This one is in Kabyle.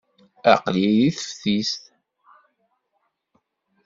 Aql-iyi deg teftist.